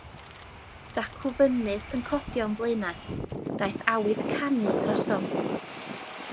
Dacw fynydd yn codi o'n blaenau; daeth awydd canu drosom.